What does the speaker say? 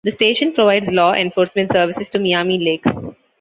The station provides law enforcement services to Miami Lakes.